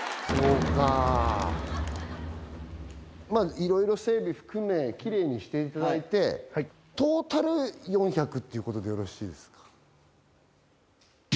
いろいろ整備含めキレイにしていただいてトータル４００っていうことでよろしいですか？